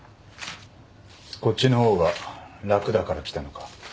こっちの方が楽だから来たのか？